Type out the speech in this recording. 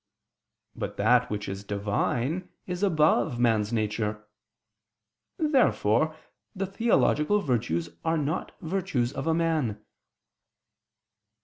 But that which is Divine is above man's nature. Therefore the theological virtues are not virtues of a man.